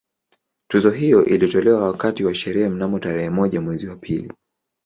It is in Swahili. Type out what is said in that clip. Tuzo hiyo ilitolewa wakati wa sherehe mnamo tarehe moja mwezi wa pili